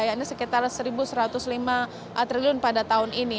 ini sekitar rp satu satu ratus lima triliun pada tahun ini